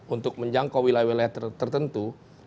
untuk menjangkau wilayah wilayah tertentu